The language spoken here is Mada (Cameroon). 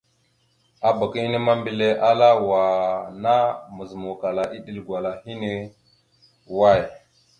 Abak inne ma, mbile ala ya: "Wa ana mawa mazǝmawkala iɗel gwala hine away?".